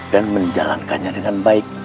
dan menjalankannya dengan baik